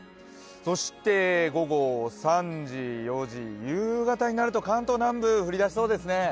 そして、午後３時、４時、夕方になると関東南部降り出しそうですね。